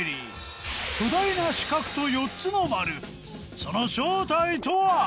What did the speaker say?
その正体とは？